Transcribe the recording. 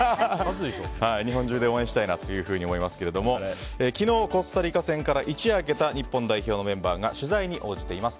日本中で応援したいなと思いますけれども昨日、コスタリカ戦から一夜明けた日本代表のメンバーが取材に応じています。